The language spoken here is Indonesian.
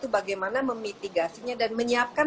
bagaimana memitigasinya dan menyiapkan